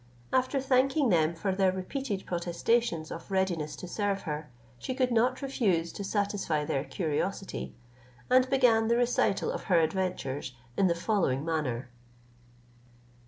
After thanking them for their repeated protestations of readiness to serve her, she could not refuse to satisfy their curiosity, and began the recital of her adventures in the following manner.